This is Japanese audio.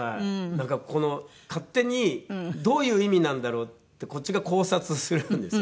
なんか勝手にどういう意味なんだろうってこっちが考察するんですよね。